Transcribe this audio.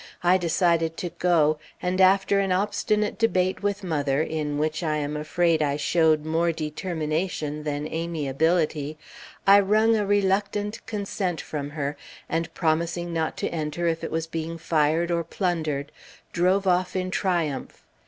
I decided to go, and after an obstinate debate with mother, in which I am afraid I showed more determination than amiability, I wrung a reluctant consent from her, and, promising not to enter if it was being fired or plundered, drove off in triumph.